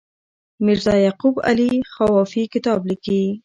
میرزا یعقوب علي خوافي کتاب لیکي.